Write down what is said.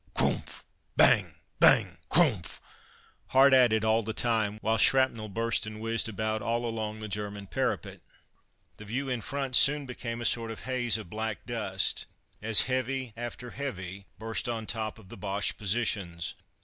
"Crumph! bang! bang! crumph!" hard at it all the time, whilst shrapnel burst and whizzed about all along the German parapet. The view in front soon became a sort of haze of black dust, as "heavy" after "heavy" burst on top of the Boche positions.